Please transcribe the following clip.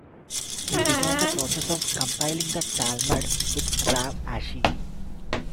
He began the process of compiling the Talmud with Rav Ashi.